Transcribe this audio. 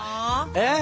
えっ？